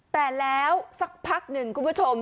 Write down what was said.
แต่แล้วสักพักหนึ่งคุณผู้ชม